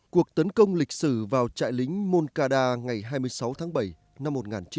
cuộc tấn công lịch sử vào trại lính moncada ngày hai mươi sáu tháng bảy năm một nghìn chín trăm bảy mươi